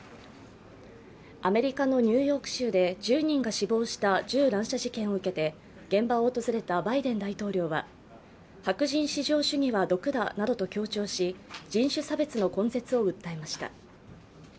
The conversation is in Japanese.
アメリカのニューヨーク州で１０人が死亡した銃乱射事件を受けて、現場を訪れたバイデン大統領は白人至上主義は毒だなどと強調し、人種差別の根絶を訴えました。